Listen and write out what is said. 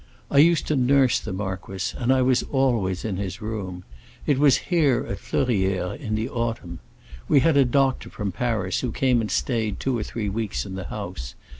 I used to nurse the marquis, and I was always in his room. It was here at Fleurières, in the autumn. We had a doctor from Paris, who came and stayed two or three weeks in the house.